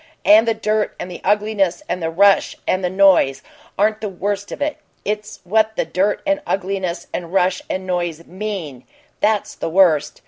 And the dirt and the ugliness and the rush and the noise aren't the worst of it; it's what the dirt and ugliness and rush and noise MEAN that's the worst!